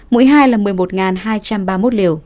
mũi hai là một mươi một hai trăm ba mươi một liều